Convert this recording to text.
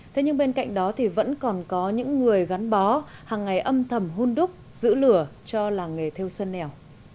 thế nhưng bên cạnh đó thì vẫn còn có những người gắn bó hàng ngày âm thầm hôn đúc giữ lửa cho làng nghề theo xuân nẻo